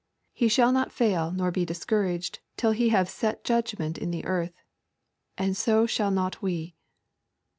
He shall not fail nor be discouraged till He have set judgment in the earth. And so shall not we.